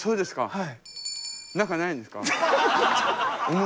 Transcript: はい！